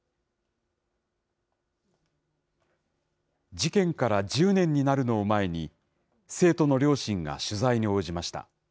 事件から１０年になるのを前に、生徒の両親が取材に応じました。